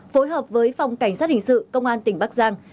phối hợp với phòng cảnh sát hình sự công an tỉnh bắc giang